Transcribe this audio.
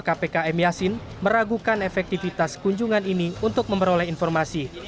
kpk m yasin meragukan efektivitas kunjungan ini untuk memperoleh informasi